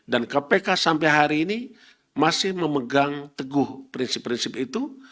dan kpk sampai hari ini masih memegang teguh prinsip prinsip itu